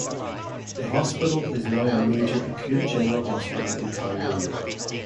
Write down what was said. The hospital is now a major acute general hospital in Kowloon.